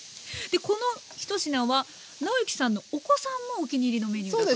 でこの１品は尚之さんのお子さんもお気に入りのメニューだと。